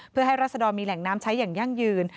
เพื่อให้รัศดรมีแหล่งน้ำใช้อย่างยั่งยืน